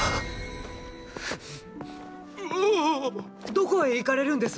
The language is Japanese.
どこへ行かれるんです